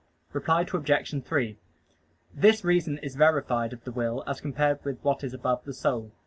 Reply Obj. 3: This reason is verified of the will as compared with what is above the soul.